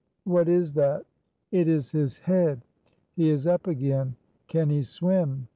"What is that?" "It is his head!" "He is up again!" "Can he swim?"